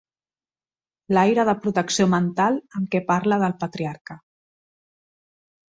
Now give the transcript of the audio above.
L'aire de protecció mental amb què parla del Patriarca